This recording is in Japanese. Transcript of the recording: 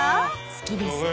好きですね］